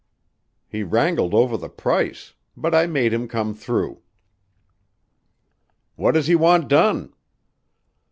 He wrangled over the price but I made him come through." "What does he want done?"